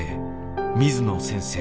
水野先生。